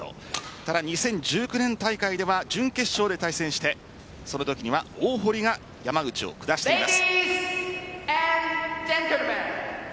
ただ、２０１９年大会では準決勝で対戦してそのときには大堀が山口を下しています。